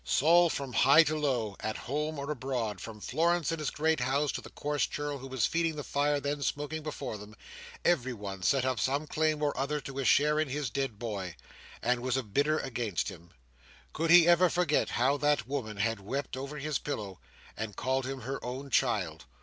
So! from high to low, at home or abroad, from Florence in his great house to the coarse churl who was feeding the fire then smoking before them, everyone set up some claim or other to a share in his dead boy, and was a bidder against him! Could he ever forget how that woman had wept over his pillow, and called him her own child!